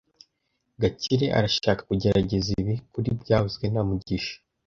Gakire arashaka kugerageza ibi kuri byavuzwe na mugisha